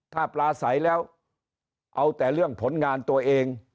ถ้าปลาใสแล้วเอาแต่เรื่องผลงานตัวเอง